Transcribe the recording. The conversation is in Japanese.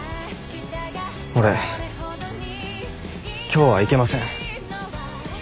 俺今日は行けません。